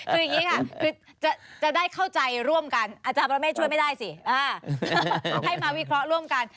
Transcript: คืออย่างนี้ค่ะคือจะได้เข้าใจร่วมกันอาจารย์ประเมฆช่วยไม่ได้สิให้มาวิเคราะห์ร่วมกัน